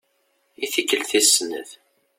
I tikkelt tis snat.